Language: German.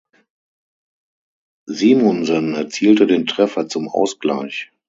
Simonsen erzielte den Treffer zum Ausgleich.